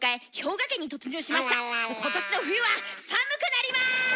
今年の冬は寒くなります！